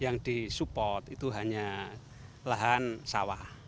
yang disupport itu hanya lahan sawah